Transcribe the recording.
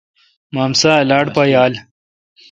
مامسا لاٹ پایال۔